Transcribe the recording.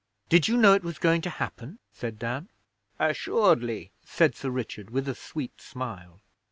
'Did you know it was going to happen?' said Dan. 'Assuredly,' said Sir Richard, with a sweet smile.